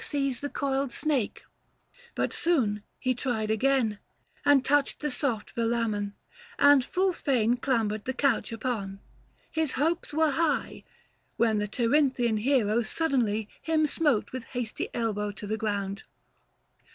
45 Sees the coil'd snake ; but soon he tried again, And touched the soft velamen, and full fain 355 Clambered the couch upon ; his hopes were high — When the Tirynthian hero suddenly Him smote with hasty elbow to the ground.